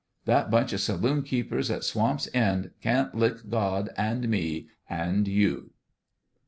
That bunch of saloon keepers at Swamp' s End can't lick God and me and you